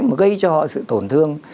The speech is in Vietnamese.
mà gây cho họ sự tổn thương